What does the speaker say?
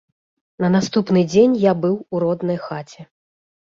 На наступны дзень я быў у роднай хаце.